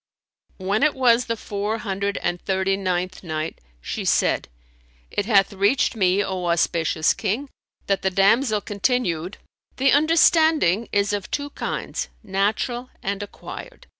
When it was the Four Hundred and Thirty ninth Night, She said, It hath reached me, O auspicious King, that the damsel continued, "The understanding is of two kinds, natural and acquired.